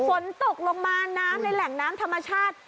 ฝนตกลงมาน้ำในแหล่งน้ำธรรมชาติ